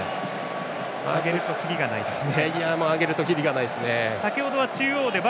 挙げるときりがないですね。